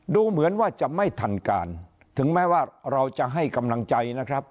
ดูเหมือนว่าจะไม่ทันการถึงแม้ว่าเราจะให้กำลังใจนะครับ